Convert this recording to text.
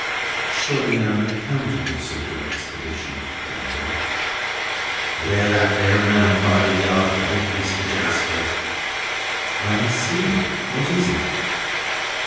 Surely an unaccountable sort of expedition, therefore! "'Ware that there mound by the yard gate, Mister Jarsper." "I see it. What is it?"